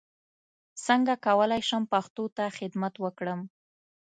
څنګه کولای شم پښتو ته خدمت وکړم